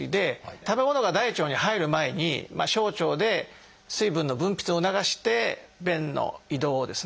食べ物が大腸に入る前に小腸で水分の分泌を促して便の移動をですね